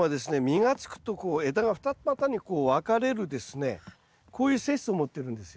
実がつくとこう枝が二股にこう分かれるですねこういう性質を持ってるんですよね。